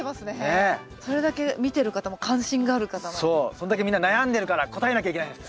そんだけみんな悩んでるから答えなきゃいけないんです。